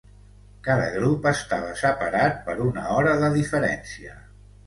Cada grup estava separat per una hora de diferència.